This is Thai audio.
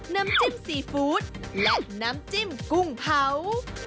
น้ำจิ้มซีฟู้ดและน้ำจิ้มกุ้งเผา